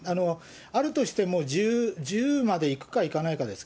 あるとしても、１０までいくかいかないかです。